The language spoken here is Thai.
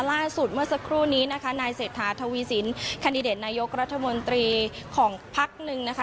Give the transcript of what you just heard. ล่าสุดเมื่อสักครู่นี้นะคะนายเศรษฐาทวีสินแคนดิเดตนายกรัฐมนตรีของพักหนึ่งนะคะ